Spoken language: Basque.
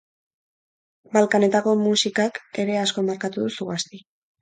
Balkanetako musikak ere asko markatu du Zugasti.